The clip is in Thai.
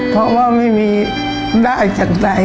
เพราะว่าไม่มีได้จากใด